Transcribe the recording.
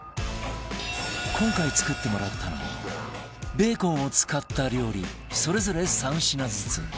今回作ってもらったのはベーコンを使った料理それぞれ３品ずつ